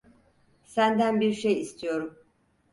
Senden bir şey istiyorum.